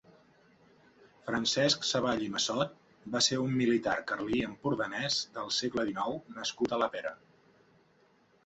Francesc Savalls i Massot va ser un militar carlí empordanès del segle dinou nascut a la Pera.